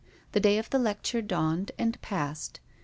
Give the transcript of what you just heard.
The day of the lecture dawned, and passed.